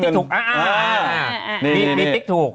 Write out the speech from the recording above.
มีทริกถูก